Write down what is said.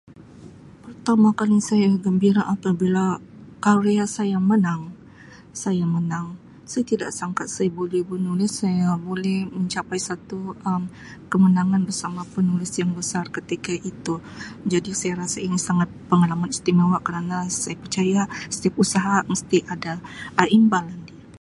Pertama kali saya gembira apabila karya saya menang, saya menang, saya tidak sangka saya boleh menulis saya boleh mencapai suatu kemenangan bersama penulis yang besar ketika itu jadi saya rasa ini sangat pengalaman istimewa, saya percaya setiap usaha mesti ada imbalan dia.